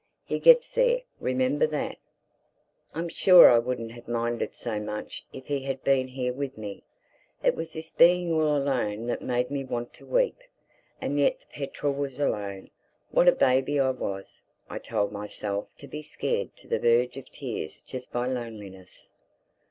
"He gets there. Remember that." I'm sure I wouldn't have minded so much if he had been here with me. It was this being all alone that made me want to weep. And yet the petrel was alone!—What a baby I was, I told myself, to be scared to the verge of tears just by loneliness!